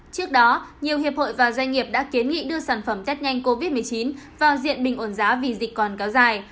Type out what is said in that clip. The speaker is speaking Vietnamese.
trước đó nhiều hiệp hội và doanh nghiệp đã kiến nghị đưa sản phẩm test nhanh covid một mươi chín vào diện bình ổn giá vì dịch còn kéo dài